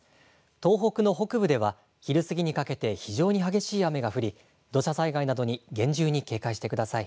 東北の北部では昼過ぎにかけて非常に激しい雨が降り、土砂災害などに厳重に警戒してください。